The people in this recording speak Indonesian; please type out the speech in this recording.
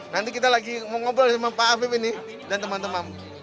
nanti kita lagi mau ngobrol sama pak afif ini dan teman teman